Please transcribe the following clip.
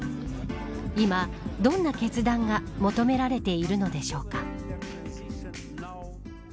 今、どんな決断が求められているのでしょうか。